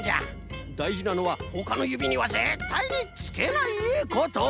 だいじなのはほかのゆびにはぜったいにつけないこと！